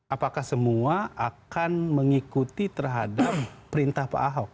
apakah semua akan mengikuti terhadap perintah pak ahok